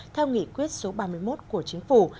theo nghị quyết số ba mươi một của chính phủ